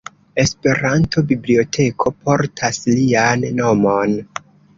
Esperanto-biblioteko portas lian nomon.